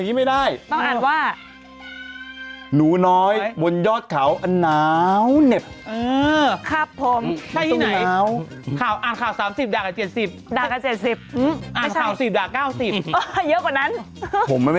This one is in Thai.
ใครพูดถูกไหม